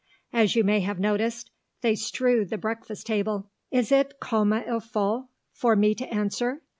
As you may have noticed, they strew the breakfast table. Is it comme il faut for me to answer?